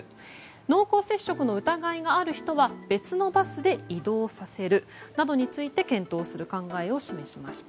濃厚接触の疑いがある人は別のバスで移動させるなど検討する考えを示しました。